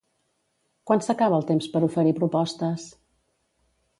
Quan s'acaba el temps per oferir propostes?